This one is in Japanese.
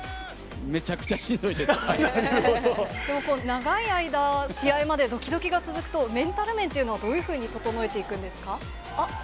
長い間、試合までどきどきが続くと、メンタル面というのはどういうふうに整えていくんですか？